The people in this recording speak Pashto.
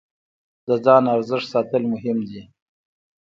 د ځان ارزښت ساتل مهم دی.